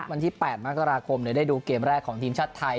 วันที่แปดมากตราคมเนี่ยได้ดูเกมแรกของทีมชาติไทย